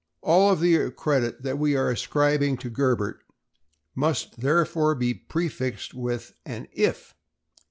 All of the credit that we are ascribing to Gerbert must therefore be prefixed with an "if."